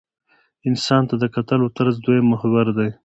انسان ته د کتلو طرز دویم محور دی.